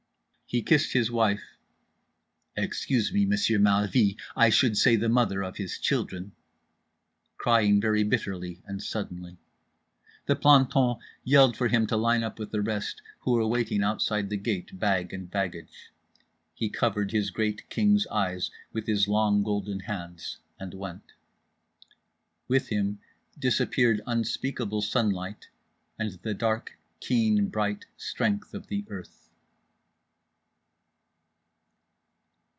He kissed his wife—excuse me, Monsieur Malvy, I should say the mother of his children—crying very bitterly and suddenly. The plantons yelled for him to line up with the rest, who were waiting outside the gate, bag and baggage. He covered his great king's eyes with his long golden hands and went. With him disappeared unspeakable sunlight, and the dark keen bright strength of the earth.